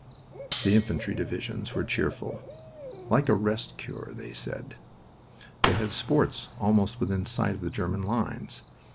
The infantry divisions were cheerful. "Like a rest cure!" they said. They had sports almost within sight of the German lines.